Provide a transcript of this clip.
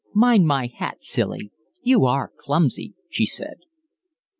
"Mind my hat, silly. You are clumsy," she said.